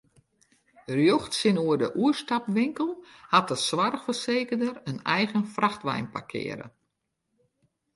Rjocht tsjinoer de oerstapwinkel hat de soarchfersekerder in eigen frachtwein parkearre.